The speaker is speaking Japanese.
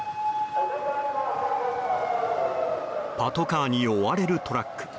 パトカーに追われるトラック。